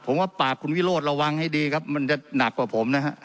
ผมว่าปากคุณวิโรธระวังให้ดีครับมันจะหนักกว่าผมนะฮะ